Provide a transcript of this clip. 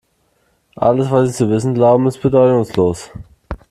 Alles, was Sie zu wissen glauben, ist bedeutungslos.